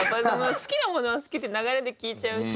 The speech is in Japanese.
好きなものは好きって流れで聴いちゃうし。